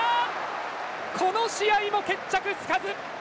この試合も決着つかず！